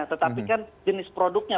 tetapi kan jenis produknya